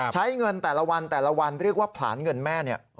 ใช้เงินแต่ละวันเรียกว่าผลานเงินแม่